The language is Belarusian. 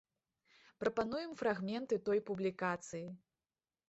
Прапануем фрагменты той публікацыі.